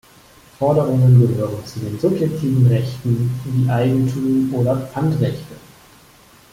Forderungen gehören zu den subjektiven Rechten wie Eigentum oder Pfandrechte.